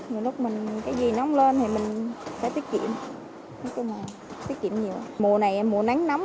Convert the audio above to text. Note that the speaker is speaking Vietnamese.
nói chung nó tăng lên nhiều